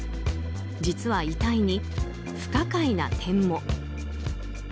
実は、遺体に不可解な点も。